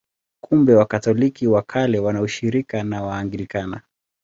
Kumbe Wakatoliki wa Kale wana ushirika na Waanglikana.